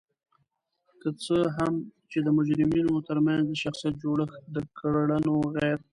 که څه هم چې د مجرمینو ترمنځ د شخصیتي جوړخت د کړنو غیر